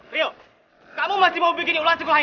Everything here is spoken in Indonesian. rio kamu masih mau bikin ulang sekolah ini